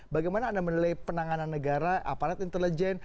bagaimana anda menilai penanganan negara aparat intelijen